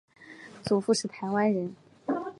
祖父是台湾人。